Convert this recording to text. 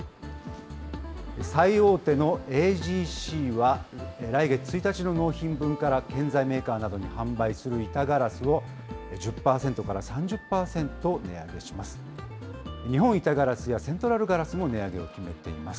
最大手のＡＧＣは、来月１日の納品分から建材メーカーなどに販売する板ガラスを、１０％から３０％値上げします。